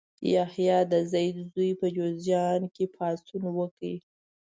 یحیی د زید زوی په جوزجان کې پاڅون وکړ.